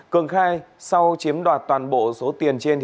cường khai sau chiếm đoạt toàn bộ số tiền trên